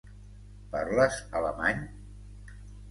Parles alemany?